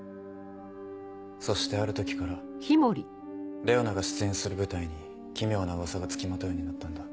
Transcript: そしてある時からレオナが出演する舞台に奇妙な噂が付きまとうようになったんだ。